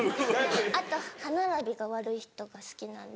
あと歯並びが悪い人が好きなんで。